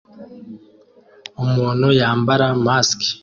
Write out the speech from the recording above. Umuntu yambara mask